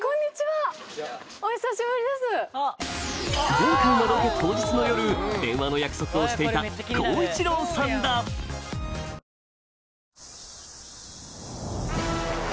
前回のロケ当日の夜電話の約束をしていたこういちろうさんだえっ！！